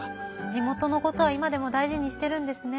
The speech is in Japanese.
地元のことは今でも大事にしてるんですね。